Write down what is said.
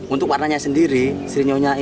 untuk warnanya sendiri serinyonya itu lebih halus